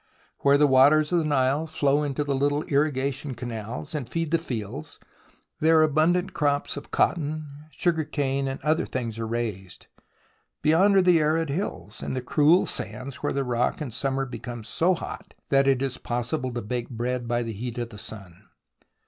Where the waters of the Nile flow into the little irrigation canals and feed the fields, there abundant crops of cotton, sugar cane, and other things are raised. Beyond, are the arid hills, and the cruel sands where the rock in THE ROMANCE OF EXCAVATION 35 summer becomes so hot that it is possible to bake bread by the heat of the sun.